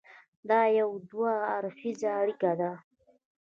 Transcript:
دا یو دوه اړخیزه اړیکه ده.